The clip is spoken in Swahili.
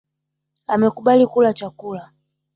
Amekubali kula chakula